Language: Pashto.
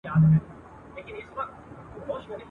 نه په ژوند کي د مرغانو غوښی خومه.